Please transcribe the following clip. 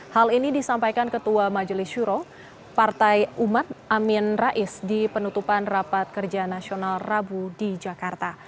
hal ini disampaikan ketua majelis syuro partai umat amin rais di penutupan rapat kerja nasional rabu di jakarta